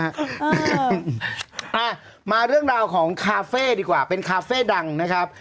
อ่ามาเรื่องราวของคาเฟ่ดีกว่าเป็นคาเฟ่ดังนะครับ